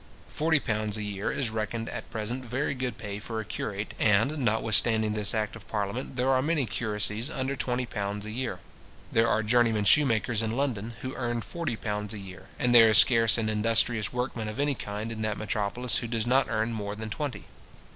Forty pounds a year is reckoned at present very good pay for a curate; and, notwithstanding this act of parliament, there are many curacies under twenty pounds a year. There are journeymen shoemakers in London who earn forty pounds a year, and there is scarce an industrious workman of any kind in that metropolis who does not earn more than twenty.